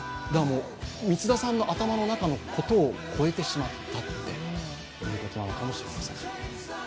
満田さんの頭の中のことを超えてしまったということなのかもしれません。